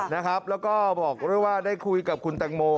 แล้วก็บอกด้วยว่าได้คุยกับคุณแตงโม